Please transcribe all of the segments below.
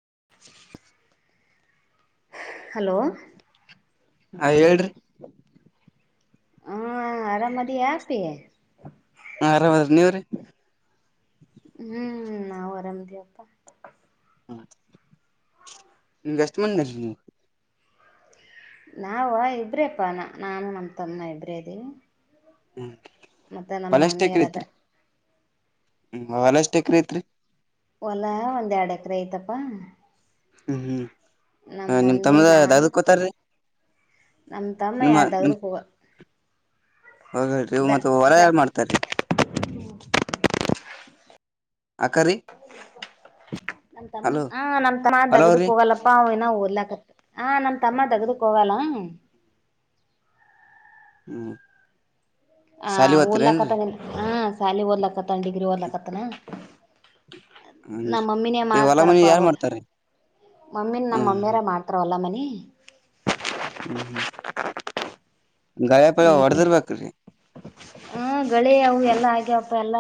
[unintelligible] hello ಹ ಹೇಳ್ರಿ ಹಾ ಆರಾಮದ ಆಿ [unintelligible] ಹ ಆರಾಮ್ ಅದ್ರೀ ನೀವ್ರೀ ಹ್ಮ್ ನಾವು ಅರಾಮ್ದಿವವಪ್ಪಾ ಹ್ಮ [unintelligible] ಇನ್ವೆೆಸ್ಟಮೆಂಟ್ ನ ನೀ [unintelligible] ನಾವ ಇಬ್ರೇಪ್ಪಾ ನ ನಾನು ನಮ ತಮ್ಮನ ಇಬ್ರೇ ಇದದೆೀ ಹ್ಮ್ ಮತ್ತೆ ನಮ್ಮ ಹೊಲ ಎಷ್ಟ್ ಮಮ್ಮಿ ಎಕರೆ ಐತ್ರಿ ಹ್ಮ್ ಅವನಷ್ಟಕ್ರ ಐತ್ರಿ [unintelligible] ಹೊಲಾ ಒಂದ್ ಎರಡು ಎಕರೆ ಐತಪ್ಪಾ ಹ್ಮ್ ಹ್ಮ್ ನಿಮ್ ತಮ್ಮದ ದಾದಕ್ [unintelligible] ಕೋತಾರೀ ನಮ್ಮ ತಮ್ಮ ಯಾರದಾವದ [unintelligible] ಪವ ಹೋಗ ಹೇಳಿ ಇ ಮತ್ತ ಹೊಲ ದ ಯಾರು ಮಾಡ್ತಾರೀ ಅಕ್ಕರಿ ನ ತಮ್ಮ ಹಲೋ ಹ ನಮ ತಮ್ಮ ಹಲೋರಿ ತಗ್ದಕ್ ಹೋಗಲ್ಲಪ್ಪಾ ಅವ ಓದಲಾಕತ್ ಆ ನಮ್ ತಮ್ಮ ತಗ್ದಕ್ ಹೋಗಲ್ಲ ಹ್ಮ ಹ ಓದಲಕ್ಕತ್ತನ ಹ ಶಾಲಿ ದಲಕ್ಕತ್ತನ ಡಿಗ್ರಿ ಓದಲಕ್ಕತ್ತನ ಹನ್ರಿ ನಮ್ಮಮ್ಮಿನೇ ಈ ಹೊಲ ಮನಿ ಮಾಡ್ತಾರಪ್ಪ ಯಾರ್ ಮಾಡ್ತಾರೀ ಮಮ್ಮಿ ನಮ್ಮ ಹ್ಮ್ ಮಮ್ಮಿಯಾರ ಹ್ಮ್ ಮಾಡ್ತಾರವಲ್ಲ ಮನಿ ಹ್ಮ್ ಹ್ಮ್ ದಾಯಪಾಯ ಹ್ಮ್ ಹೊಡೆದಿರ್ಬೇಕ್ರಿ ಬೆಳಿ ಅವು ಎಲ್ಲ ಆಗ್ಯವಪ್ಪ ಎಲ್ಲ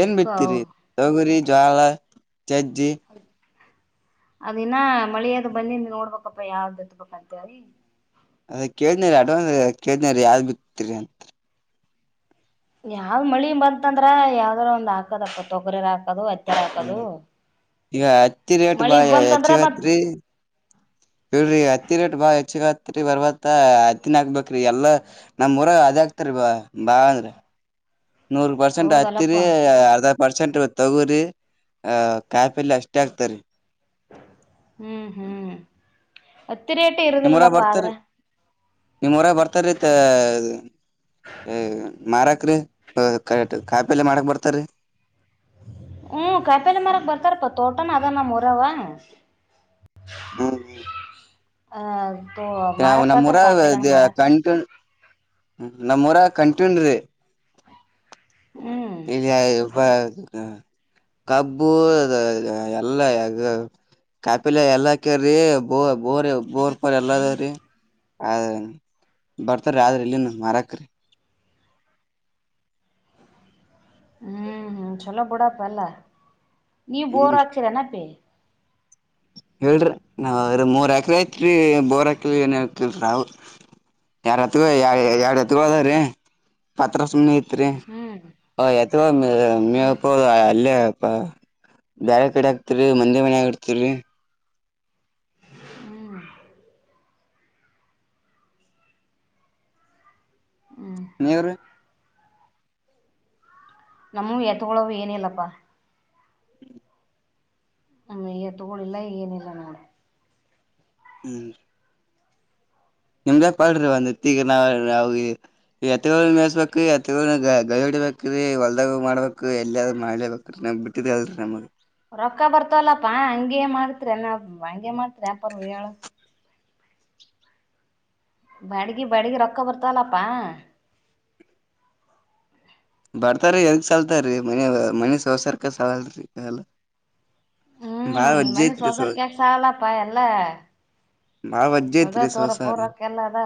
ಏನ್ ಬಿಡ್ತೀರಿ ತೊಗುರಿ ಜ್ವಾಲಾ ಚಜ್ಜಿ ಅದಿನ ಮಳಿಯದು ಬನ್ನಿ ನೀ ನೋಡ್ಬೇಕಪ್ಪ ಯಾವ್ದು ಎತ್ಬೇಕಂತವರಿ ಅದ ಕೇಳನೇ ಅಡ್ವಾನ್ಸ್ ಕೇಳನೇ ಯಾವ್ದ್ ಬಿತಿರಿ ಅಂತ ಯಾವ್ ಮಳಿ ಬಂತಂದ್ರ ಯಾವದ್ರ ಒಂದ್ ಹಾಕದಪ್ಪ ತೊಗರಿರ್ ಹಾಕದು ಹಾಕದು ಹ್ಮ್ ಈಗ ಹತ್ತಿ ರೇಟ್ ಮಳಿ ಬಾಯ ಬಂತಂದ್ರ ಮತ್ ಹೆಚ್ಚಗತ್ರಿ [unintelligible] ಹವ್ರರಿ ಹತ್ತಿ ರೇಟ್ ಬಾ ಹೆಚ್ಚ ಆತ್ರಿ ಬರ್ವತ್ತ ಹತ್ತಿನ ಹಾಕ್ಬೇಕ್ರಿ ಎಲ್ಲಾ ನಮ್ರ ಅದ [unintelligible] ಆಕ್ತರಿ ಬಾ ಬಾ ಅಂದ್ರ [unintelligible] [inaudible] ನೂರು ಪರ್ಸೆಂಟ್ ಹೌದಲ್ಲಪ್ಪ ಹತ್ತಿರಿ ಅರ್ಧ ಪರ್ಸೆಂಟ್ ತಗರಿ [unintelligible] ಕಾಯ ಪಲ್ಲ ಅಷ್ಟೇ ಆಗ್ತಾರೆ [unintelligible] ಒತ್ತರಿಟ ಇರುದಿಲ್ಲಿಲ್ಲ ಪಾದರೆ [unintelligible] ನಿಮ್ಮ್ ಹೊರ ಬರ್ತಾರತ್ತ ಮಾರಕ್ [unintelligible] ಕ ಕಾಯಿಪಲೆ ಮಾಡಕ್ ಬರ್ತಾರೀ [unintelligible] ಹ್ಮ ಕಪೇಲೆ ಮರಕ್ ಬರ್ತಾರಪ್ಪ ತೋಟನ ಅದ ನ ಹೊರವ [unintelligible] ಆ [unintelligible] ನ ಮಾರಕ್ ಬರ್ತಾರ ನಮ್ಮೂರ ಕಾಯಿಪಲ್ಲೆ ಮಾರಕ್ ಕಣ್ಕ [unintelligible] ಹ್ಮ ನಮ್ಮಊರ ಕಂಟೂನ್ [unintelligible] ಹ್ಮ್ ಇಲ್ಲಿ [unintelligible] ಕಬ್ಬು ಅ ಎಲ್ಲ ಅಗ [unintelligible] ಕಾಪಿಲ ಎಲ್ಲಾಕ್ರಿ ಬೋ ಬೋರ್ ಬೋರ್ ಪರ್ ಎಲ್ಲದಾವ್ರಿ [unintelligible] ಆದ ಬರ್ತಾರ ಆದ್ರಿ ಇಲ್ಲಿನು ಮಾರಾಕ್ರರಿ [unintelligible] ಹ್ಮ್ ಹ್ಮ್ ಚಲೋ ಬಿಡಪಲ್ಲ ನೀವ್ ಬೋರ್ ಹ್ಮ್ ಹಾಕ್ತೀರ ಅನಪಿ [unintelligible] ಹೇಳ್ರಿ ನಾವ್ ಅವ್ರ ಮೂರ್ ಎಕ್ರ ಐತ್ರಿ ಬೋರ್ ಎಕ್ರ ಏನತಿಲ್ರ ಅವ [unintelligible] ಯಾರ್ ಹತ್ ಯರ ಹತ್ಗದ್ರೀ ಪತ್ರ ಸುಮ್ನೆ [unintelligible] ಹ್ಮ್ [unintelligible] ಎತ್ ಹ್ಮ್ ಮಬರು ಅಲ್ಲಿ [unintelligible] ಬಳ ಕಡೆ ಆಗ್ತಿರಿ [unintelligible] ಮಂದಿ ಮನ ಇರ್ತಿರಿರಿ ಹ್ಮ್ ಹ್ಮ್ ಹ್ಮ್ ನೀವರು [unintelligible] ನಮ್ಮ ಎತ್ಗೊಳ ಏನ ಇಲ್ಲಪ್ಪಾ [unintelligible] ಹ ಈಗ ತಗಳಿಲ್ಲ ಈ ಏನಿಲ್ಲ ನಾ [unintelligible] ಹ [unintelligible] ನಿಮ್ದ ಪಾಡ್ರಿ ಒಂದತ್ತಗ ನಾವ ನ ಎತ್ತೋ ಮೇಸ್ಬೇಕು ಎತ್ತ ಗ [unintelligible] ಬೇಕ್ರೀ ಹೊಲ್ದಾಗ ಮಾಡ್ಬೇಕು ಎಲ್ಲಿದ್ ಮಾಡಳಲೆ ಬೇಕ್ರ ನ್ ಬಿಟ್ಟಿದ್ರ ಅಲ್ರಿ ನಮಗೆ [unintelligible] ರೊಕ್ಕ ಬರ್ತವಲ್ಲಪ್ಪಾ ಹಂಗಗೆ ಮಾಡ್ತ್ರಿ ನ ಹಂಗಗೆ ಮಾಡ್ತ್ರಿ ಅಪ ಹೇಳ [unintelligible] ಬಡ್ಗಿ ಬಡಗಿ ರೊಕ್ಕ ಬರ್ತಲ್ಲಪ್ಪಾ [unintelligible] ಬರ್ತಾರ ಎಗ್ ಸಲ್ತ್ರೀ ಮನ ಮನಸಸರ್ಕ ಸವಲ್ರಿ ಎಲ್ಲ [unintelligible] ಬಾಳ ಹ್ಮ್ ವಜ್ಜೆ ಮನಷ ಐತ್ರಿ ಸ ಹೊಸರ್ ಕಾಕ್ ಸಾವಾಲಾಪ್ಪಾ ಎಲ್ಲ [unintelligible] ಬಾಳ ಬಜ್ಜೆ ಅದ ಐತ್ರಿ ಸವಸ ತೋರಪ್ಪ [unintelligible] ರೊಕ್ಕ ಎಲ್ಲ ಅದ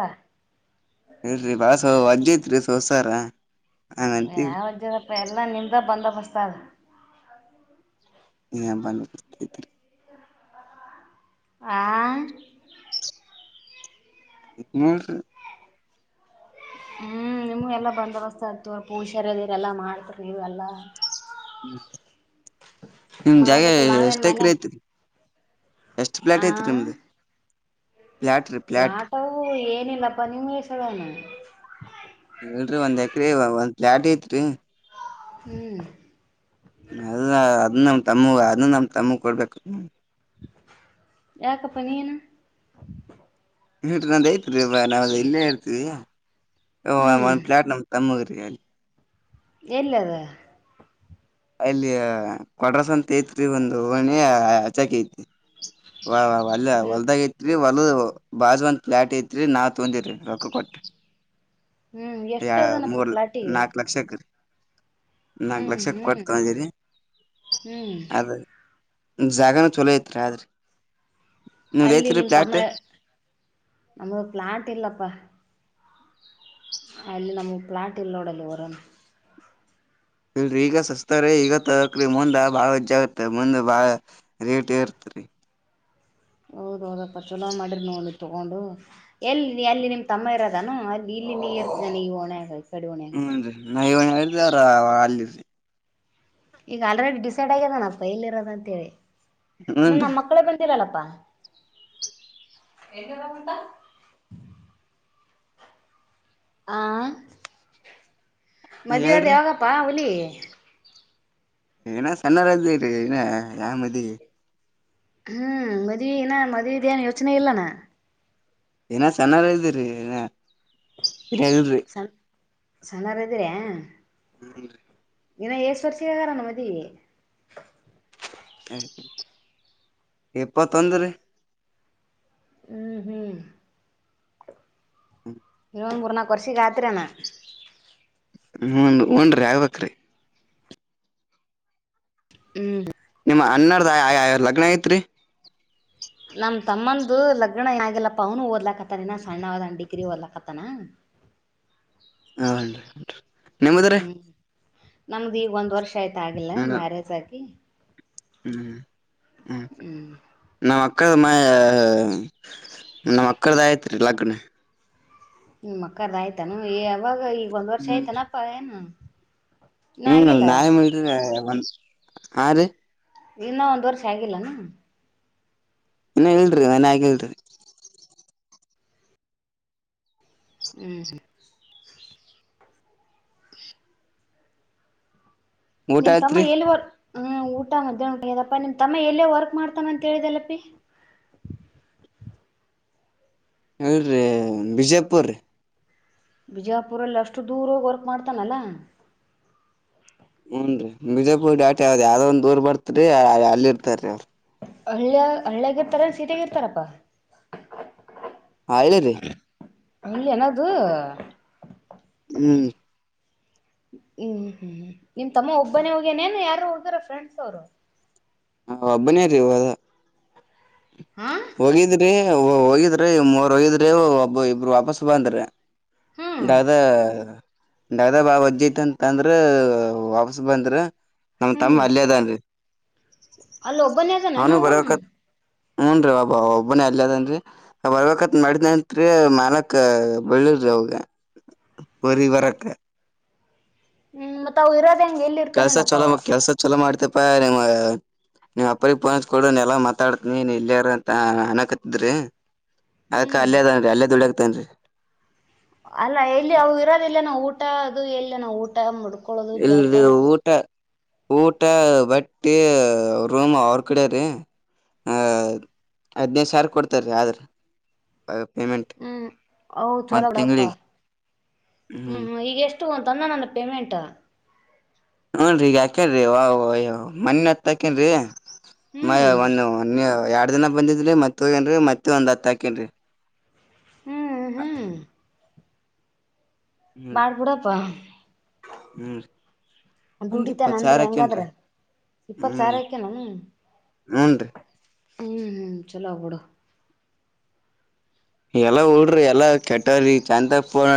ಹೇಳಲ್ ಬಾಸ ಅಜ್ಜ ತ್ರಿ ಸ ಹೊಸಾರ [unintelligible] ಯಾವಜ್ಜದಪ್ಪ ಎಲ್ಲ ನಿಮ್ದ ಬಂದ ಬಸ್ತದ [unintelligible] ಹ ಬಂದು [unintelligible] ಆ [unintelligible] ಇನ [unintelligible] ಹ್ಮ್ ನಿಮ್ಗೆ ಎಲ್ಲಾ ಬಂದೋಬಸ್ತ್ ಆಗ್ತವ ಪುಷಾರದಿರೆ ಎಲ್ಲ ಮಾಡ್ದ್ರಿ ನೀವೆ ಎಲ್ಲಾ [unintelligible] ನಿಮ ಜಾಗ ಮಾಡ್ಬೇಕಲ್ ನಾವೇನ್ ಎಷ್ಟಕ್ರ ಮನ್ಯಾಗ ಐತ್ರಿ [unintelligible] ಎಷ್ಟ್ ಪ್ಲೇಟ್ ಆ ಐತ್ ನಿಮ್ದ [unintelligible] ಲಾಟವು ಏನಿಲ್ಲಪ್ಪಾ ನಿಮ್ ಹಸಡಣ [unintelligible] ಹೇಳರಿ ಒಂದ್ ಎಕರೆ ಒಂದ್ ಪ್ಲಾಟ್ ಐತ್ರಿ [unintelligible] ಹ್ಮ್ [unintelligible] ಅದ ಅದ ನಮ್ ತಮ್ಮ ಅದ ನಮ್ ತಮ್ಮ ಕೊಡ್ಬೇಕ [unintelligible] ಯಾಕಪ್ಪ ನೀಯನ [unintelligible] ಹ ನಂದ ಐತ್ರಿ ನಾವ ಇಲ್ಲೇ ಇರ್ತಿವಿ ಹ್ಮ್ ಒಂದ ಪ್ಲಾಟ್ ನಮ್ ತಮ್ಮಗರಿ [unintelligible] ಹ್ಮ್ [unintelligible] ಎಲ್ಲದ [unintelligible] ಅಲ್ಲಿ ಕ್ವಾತ್ರಸ್ ಅಂತ ಐತ್ರಿ ಒಂದು ಓಣಿ ಅಚಾಕಿ ಐತಿರಿ ವಾ ವಾ ಅಲ್ಲ ಅದನ್ನ ಹೊಲ್ದಾಗ ಐತ್ರಿ ಒಲದ ಬಾಜ್ ಒಂದ್ ಫ್ಲಾಟ್ ಐತ್ರಿ ನಾ ತೊಂದಿರಿ ರೊಕ್ಕ ಕೊಟ್ಟ ಹ್ಮ್ ಯ ಎಷ್ಟು ಅದನಪ್ಪ ಮೂರ್ ಪ್ಲಾಟಿಗೆ ನಾಲ್ಕ ಲಕ್ಷಕ್ ರಿ ನಾಲ್ಕು ಹ್ಮ್ ಲಕ್ಷ ಕೊಟ್ಟು ಹ್ಮ್ ತಗಂಡಿವ್ರಿ ಹ್ಮ್ ಜಾಗಾನು ಚಲೊ ಐತ್ರಿ ಹಾದ್ರ ಅಲ್ಲಿ ನಿಮ ತಮ್ಮ ನಮಗ ಪ್ಲಾಂಟ್ ಇಲ್ಲಪ್ಪಾ ಅಲ್ಲಿ ನಮ್ಗೆ ಪ್ಲಾಟ್ ಇಲ್ಲನೋಡಲ್ಲಿ ಹೊರನು ಇಲ್ರಿ ಈಗ ಸಸ್ತಾರೀ ಈಗ ತಕ ಮುಂದ ಭಾಳ ಹೆಜ್ಜ ಆಗತ್ತೆ ಮುಂದ ಭಾಳ ರೇಟ್ ಏರುತ್ ರಿ ಹೌದ್ ಹೌದಪ್ಪ ಚಲೋ ಮಾಡಿರ್ ನೋಡಿ ತಗೊಂಡು ಎಲ್ಲಿ ಅಲ್ಲಿ ನಿಮ್ ತಮ್ಮ ಇರದೆನು ಅಲ್ಲಿ ನೀ ಇರ್ತಿ ಅಲ ಇ ವೊನ್ಯಗ ಹುನ್ರಿ ನ ಹೇಳಿನಲ ಅವ ಅಲ್ಲಿ ರಿ ಈಗ ಆಲ್ರೆಡಿ ಡಿಸೈಡ್ ಆಗ್ಯದೇನಪ ಎಲ್ಲಿ ಇರೋದತೆಲಿ ಇನ್ನ ಹೂನ್ರಿ ನನ್ ಮಕ್ಕಳೇ ಬಂದಿಲಲಪ್ಪ [unintelligible] ಹ ನಾ ಮದುವದು ಹೇಳ್ರಿ ಯಾವಗಪ್ಪಾ ಹುಲಿ ಇನ ಸಣ್ಣವ್ರ್ ಅದಿವ್ರಿ ಇನ್ನ ಯಾವ್ ಮದಿವಿ ಹ್ಮ್ ಮದ್ವಿ ಇನ ಮದ್ವಿದ್ ಏನ್ ಯೋಚನೆ ಇಲ್ಲನಾ ಇನ ಸಣ್ಣೋರು ಇದಿವ್ರಿ ಇನ ಇಲ್ರಿ ಸ್ಣಾನ್ನೋರದಿರಾ ಹುಂನ್ ರಿ ಇನ್ನ ಎಸ್ ವರ್ಷ ಹೇಳ್ಯಾರ್ ಏನು ಮದವಿ ಇಪ್ಪತ್ತೊಂದ್ರೀ ಹ್ಮ್ ಹ್ಮ್ ಮೂರು ನಾಕು ವರ್ಷಕ್ ಆಗ್ತೀರ್ ಏನು ಹ್ಞನ್ ಹನ್ರರಿ ಆಗ್ಬೇಕ್ರಿ ಹ್ಮ್ ಅನ್ನ್ಣದು ಲಗ್ನ ಆಗೈತ್ರಿ ನಮ್ ತಮ್ಮಂದು ಲಗ್ನ ಯಾಗಲ್ಲಪ್ಪ ಅವನು ಓದಲಕ್ಕತ್ತಾನನ ಸಣ್ಣ ಡಿಗ್ರ ದಲಕ್ಕತ್ತಾನ ಹ [unintelligible] ಹ ಹ ಹನ್ರಿ ನಿಮ್ಮದ್ರೀ ನಮ್ದ ಈಗ ಒಂದ್ ವರ್ಷ ಆಯ್ತ ಆಗಿಲ್ಲ ಹ್ಮ್ ಮ್ಯಾರೇಜ್ ಆಗಿ ಹ್ಮ್ ಹ್ಮ ಹ್ಮ್ ನಮ ಅಕ್ಕದ ಮ ನಮ್ಮ್ ಅಕ್ಕರದ್ ಆಗೈತ್ರಿ ಲಗ್ನ ನಿ ಅಕ್ಕರ್ದ ಆಯ್ತಾನ ಯವಾಗ ಈಗ ಒಂದ್ ವರ್ಷ ಹ್ಮ್ ಆಯ್ತಾನಪ್ಪ ಏನು ಇನ್ನ ಹ್ಮ್ ಆಗಿಲ್ಲ ನಾವೇ ಮಾಡಿವ್ರಿ ಹಾ ರೀ ಇನ್ನ ಒಂದ್ ವರ್ಷ ಆಗಿಲ್ಲಾನು ಇನ್ನ ಇಳ್ರಿ ಮನ್ಯ ಆಗಿಳ್ರಿ ಹ್ಮ್ ಹ್ಮ್ [unintelligible] ಊಟ ನಿಮ್ಮತಮ್ಮ ಆಯ್ತ್ರಿ ಎಲ್ಲಿು ಓದ್ ಹ್ಮ್ ಊಟ ಮಧ್ಯಾಹ್ನ ಊಟದಪ್ಪ ನಿಮ್ ತಮ್ಮ ಎಲ್ಲೇ ವರ್ಕ್ ಮಾಡ್ತಾನ ಅಂತ ಹೇಳಿದಲ್ಲಪಿ ಇಲ್ರಿ ಬಿಜೆಪುರ್ ರಿ ಬಿಜಾಪುರಲ್ಲಿ ಅಷ್ಟು ದೂರ ಹೋಗಿ ವರ್ಕ್ ಮಾಡ್ತಾನಲ್ಲ ಹೂನ್ ರೀ ವಿಜಾಪುರ್ ಡಾಟಿ ಯಾವ್ದ್ ಯಾವ್ದ ಒಂದ್ ಊರ್ ಬರ್ತ್ರಿ ಅಲ್ಲಿ ಇರ್ತಾರೀ ಅವ್ರರು ಹಳ್ಳ್ಯ ಹಳ್ಳಿಯಾಗಿ ಇರ್ತಾರೆನ್ ಸಿಟಿ ಇರ್ತಾರಪ್ಪಾ ಹಳ್ಳಿ ರಿ ಹಳ್ಳಿ ಏನ್ ಅದು ಹ್ಮ್ ಹ [unintelligible] ಹ್ಮ್ ಹ್ಮ್ ನಿಮ್ ತಮ್ಮ ಒಬ್ಬನೇ ಹೋಗಿನೇನು ಯಾರು ಹೋಗ್ಯಾರ ಫ್ರೆಂಡ್ಸ್ ಅವರು ಹ ಒಬ್ಬನೇ ರೀ ಹೋದಾ ಹಾ ಹೋಗಿದ್ರಿ ಹೋ ಹೋಗಿದ್ರಿ ಮೂರ್ ಹೋಗಿದ್ರಿ ಒಬ್ಬ ಇಬ್ಬರು ವಾಪಸ್ ಬಂದ್ರರಿ ಹ್ಮ್ ಡಾದ ಅ ಡಾದಾ ಬಾ ವಜ್ಜಿ ಐತಿ ಅಂತ ಅಂದ್ರ ವಾಪಸ್ ಬಂದ್ರ ನಮ್ಮ ತಮ್ಮ ಹ್ಮ್ ಅಲ್ಲೆದಾನದ್ರಿ ಅಲ್ಲಿ ಒಬ್ಬನೇ ಅದಾನೇನ ಅವನು ಅವ ಬರಾಕ ಹ್ಮ್ ಹು ನ್ ರೀ ಒಬ್ಬ ಒಬ್ಬನೇ ಅಲ್ಯದಾನರಿ ಬರ್ಬೇಕತ್ ಮಾಡಿದ್ನಂತರಿ ಮಾಲಕ ಬಿಡಲಿಲ್ಲಾ ಅವಂಗ ಊರಿಗೆ ಬರಾಕ ಹು ಮತ್ತ ಅವು ಇರೋದ ಹೆಂಗೆ ಎಲ್ಲಿ ಇರ್ತಾನೆನಪ್ಪ ಅವ ಪರಿ ಮ್ಯಾಗ ನೀಮ್ಮ ಅಪ್ಪಜಿಗೆ ಪೋನ್ ಹಚ್ಚಿ ಕೊಡುನಾ ಎಲ್ಲಾ ಮಾತಾಡ್ತನಿ ನೀ ಇಲ್ಲಯಿರುಂತಾ ಅನಕತ್ತಿದ್ರ ರಿ ಅದಕ್ಕ ಹ್ಮ್ ಅಲ್ಲೇದಾನ್ರಿ ಅಲ್ಲೇ ದುಡಿಯಾತ್ತಾನರಿ ಅಲ್ಲ ಎಲ್ಲಿ ಅವು ಇರೋದ ಎಲ್ಲನ ಊಟ ಅದು ಎಲ್ಲಿ ನವು ಊಟ ಮೂಡ್ ಇಲ್ಲರಿ ಊಟಾ ಊಟಾ ಬಟ್ಟಿ ರೂಮ್ ಅವ್ರ ಕಡೆ ರೀ ಹ ಹದ್ನೈದು ಸಾವಿರ ಕೊಡ್ತಾರೀ ಆದ್ರ ಪೇಮೆಂಟ್ ಹು ಹೌ ಒಂದ್ ಚಲೋಬಿಡಪ್ಪಾ ತಿಂಗ್ಳಿಗ್ ಹು ಹ್ಮ್ ಹು ಈಗ ಎಷ್ಟ ಷ್ಟು ಒಂದ ತಂದಾನನ ಪೇಮೆಂಟ್ ಹುನಡ್ರಿ ಈಗ ಹಾಕೇನ್ ರಿ ಅವಾ ಮನ್ನೆ ಹತ್ತ ಹಾಕ್ಯಾನ್ ರಿ ಮೈ ಹ್ಮ್ ಮನ್ನೆ ಒನ್ಯ ಅನ್ಯ ಎರಡ್ ದಿನಾ ಬಂದಿದ್ದ ರಿ ಮತ್ತ ಹೋಗ್ಯಾನ್ ರಿ ಮತ್ತ ಒಂದ್ ಹತ್ತ ಹಾಕೇನ್ರಿ ಹು ಹು ಮಾಡಬಿಡಪ್ಪಾ ಹು ರಿ ದುಡಿತಾನ್ ಅಂದ್ರಿ ಹಂಗಂದ್ರ ಇಪ್ಪತ ಹ್ಮ್ ಸಾವಿರಾ ಹಾಕ್ಯನೇನು ಹೂನ್ರಿ ಹು ಹು ಚಲೋ ಬಿಡ ಎಲ್ಲ ಹುಡ್ರ ಎಲ್ಲ ಕೆಟ್ಟವರಿ ಚಂದ ಫೋನ್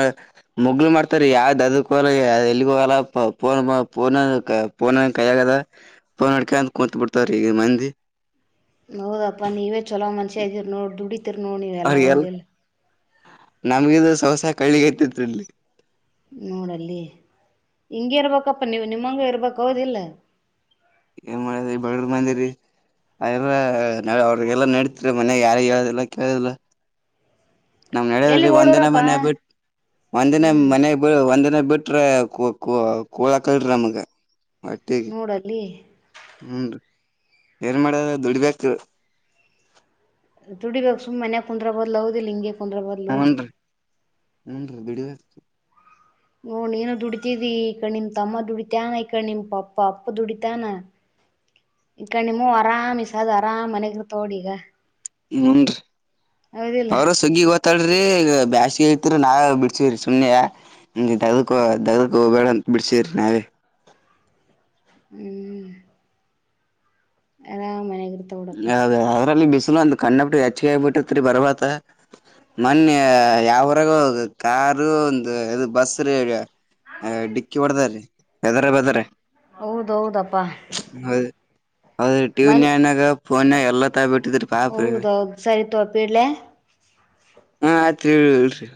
ಮುಗ್ಲು ಮಾಡ್ತಾರರಿ ಯಾವ್ದ ದಲ ಹೋಗಲ್ಲಾ ಎಲ್ಲಿಗು ಹೋಗಲ್ಲ ಫೋನ ಪೋನ್ ಕೈಯಾಗ ಅದ ಪೋನ್ ಹಿಡ್ಕೊಂಡ ಕೂತ್ ಬಿಡ್ತಾರರಿ ಇಗ ಮಂದಿ ಹೌದಪ್ಪಾ ನೀವೇ ಚೊಲೋ ಮನಷ್ಯಇದಿರ ನೋಡ್ ದುಡಿತಿರ್ ನೋಡ್ ನೀವೆ ಎಲ್ಲಾ ಅವ್ರಿಗೆಲ್ ಹೋದಇಲ್ಲ ನಮ್ಗಿದು ಸವಸ ಕಳ್ಳಿಗೆ ಹತ್ತೇತ್ರಿ ಇಲ್ಲಿ ನೋಡಲ್ಲಿ ಹಿಂಗೆ ಇರ್ಬೇಕಪ್ಪ ನೀವು ನಿಮ್ಮಂಗ ಇರ್ಬೇಕ ಹೌದಿಲ್ಲ ಏನ್ ಮಾಡದ್ರಿ ಬಡರ್ ಮಂದಿರಿ ಅರ ಅವ್ರಿಗೆಲ್ಲಾ ನಡತಿರಿ ಮನೆ ಯಾರಿಗಿ ಹೇಳದಿಲ್ಲಾ ಕೇಳದಿಲ್ಲಾ ನಮ್ಮ ಎಲ್ಲಿ ನಡದಿಲ್ಲರಿ ಒಂದಿನ ಓಡೋರಪ್ಪಾ ಮನ ಬಿಟ್ಟ ಒಂದಿನ ಹ್ಮ್ ಮನೆ ಬಿಳ್ ಒಂದಿನ ಬಿಟ್ರ ಕು ಕು ಕುಳ್ಳ ಹಾಕಲ್ಲರೀ ನಮಗ ನೋಡ ಅಲ್ಲಿ ಹುಡ್ರಿ ಏನ್ ಮಾಡ್ಯರ ದುಡಿಬೇಕ ರಿ ದುಡಿಬೇಕ ಸುಮ್ಮ ಮನ್ಯಾಗ ಕುಂದ್ರ ಬದ್ಲು ಹೌದಿಲ್ಲ ಹಿಂಗೆ ಕುಂದ್ರ ಬದ್ಲು ಹುಡ್ರಿ ಬಿಡಿಬೇಕರಿ ನೋಡ ನೀನು ದುಡಿತಿದಿ ಈಕಡಿ ನಿಮ್ಮ ತಮ್ಮ ದುಡಿತಾನ ಈಕ ನಿಮ್ಮ ಪಪ್ಪ ಅಪ್ಪ ದುಡಿತಾನ ಈ ಕಣ ನಿಮ್ಮ ಅವ್ವಾ ಆರಾಮ ಇಸದ ಆರಾಮ್ ಮನ್ಯಾಗ ಇರ್ತಾಳನೊಡು ಇಗ ಹುಡ್ರಿ ಅವರು ಸುಗ್ಗಿ ಗೊತ್ತ್ ತ್ತಳ್ರಿ ಇಗ ಬ್ಯಾಸಗಿ ಐತ್ರಿ ನಾ ಬಿಡ್ಸವ್ರಿ ಸುಮ್ಮನೆ ಯಾಕ್ ದಗಕ ದಗಕ ಹೋಗಬೇಡಾ ಅಂತ ಬಿಡಸೇವಿಸಿರಿ ನಾವೇ ಹು ಆರಾಮ ಮನ್ಯಾಗ ನೋಡಪ್ಪಾ ಹೌದ ಅದ್ರಲ್ಲಿ ಬಿಸಿಲು ಒಂದ್ ಕಣ್ಣ ಬಿಟ್ಟ ಹೆಚ್ಚಗೆ ಆಗ್ಬಿಟ್ಟತ್ರಿ ಬರರ್ಬತ ಮೊನ್ನೆ ಯಾವರಗ ಕಾರ ಒಂದು ಇದು ಬಸ್ಸ ರಿ ಅ ಡಿಕ್ಕಿ ಹೊಡದಾ ರೀ ಎದರ ಬದರಾ ಹೌದೌದಪ್ಪಾ ಹೌದು ಹೌದು ಟಿ ವಿ ಮನ್ ನೈನ್ ನ್ಯಾಗ ಫೋನ್ ಎಲ್ಲ ತ ಬಿಟ್ಟಿದ್ರಿ ಪಾಪ್ರೀ ಹೌದೌದು ಸರಿ ತಗೋ ಇಡ್ಲೇ ಹಾ ಜ